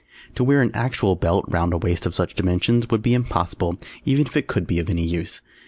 To wear an actual belt round a waist of such dimensions would be impossible even if it could be of any use.